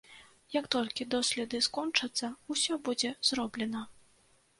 Як толькі доследы скончацца, усё будзе зроблена.